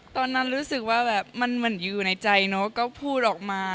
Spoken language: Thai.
ตอนนั้นรู้สึกว่าแบบมันเหมือนอยู่ในใจเนอะก็พูดออกมา